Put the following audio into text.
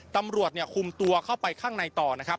ตำรวจเนี่ยคุมตัวเข้าไปข้างในต่อนะครับ